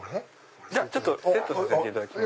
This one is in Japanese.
セットさせていただきます。